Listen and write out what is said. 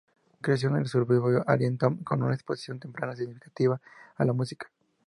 Creció en el suburbio Allentown con la exposición temprana significativa a la música.